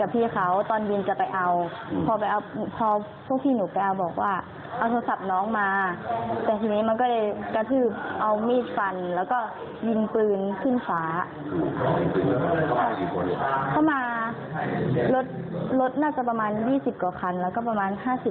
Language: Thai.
ประมาณ๕๐คนนะคะ